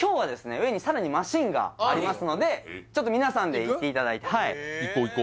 上にさらにマシーンがありますのでちょっと皆さんで行っていただいて行く？